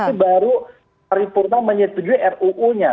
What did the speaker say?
ini baru ripurna menyetujui ruu nya